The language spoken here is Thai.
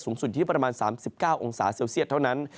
สุดที่ประมาณ๓๙องศาเซลเซียตเท่านั้น